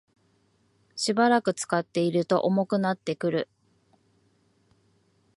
しばらく使っていると重くなってくる